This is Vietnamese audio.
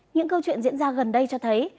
những câu chuyện diễn ra gần đây cho thấy